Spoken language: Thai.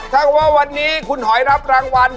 ถ้าว่าวันนี้คุณหอยรับรางวัล